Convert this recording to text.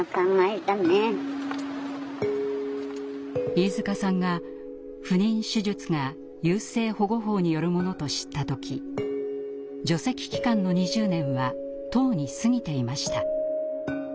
飯塚さんが不妊手術が優生保護法によるものと知った時除斥期間の２０年はとうに過ぎていました。